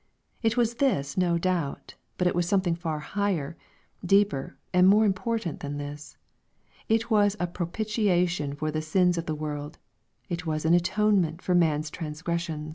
It was this no doubt ;— ^but it was something far higher, deeper, and more important than this. It was a propitiation for the sins of the world. It was an atonement for man's transgression.